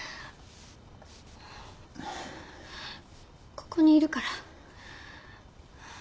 ここにいるから。